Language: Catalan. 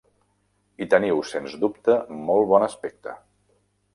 I teniu sens dubte molt bon aspecte.